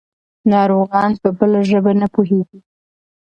ناروغان په بله ژبه نه پوهېږي.